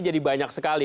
jadi banyak sekali